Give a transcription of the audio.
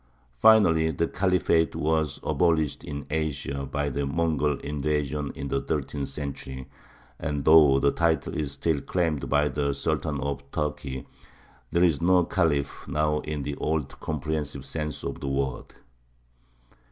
Finally the Khalifate was abolished in Asia by the Mongol invasion in the thirteenth century, and though the title is still claimed by the Sultan of Turkey, there is no Khalif now in the old comprehensive sense of the word.